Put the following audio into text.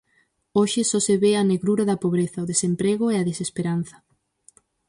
Hoxe só se ve a negrura da pobreza, o desemprego e a desesperanza.